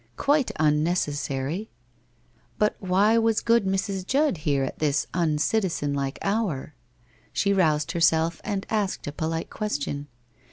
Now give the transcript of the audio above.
Quite unnecessary ! But why was good Mrs. Judd here at this uncitizen like hour? She roused herself and asked a polite question.